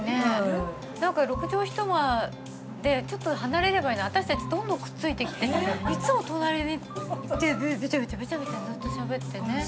何か６畳一間でちょっと離れればいいのに私たちいっつも隣にいてべちゃべちゃべちゃべちゃずっとしゃべってね。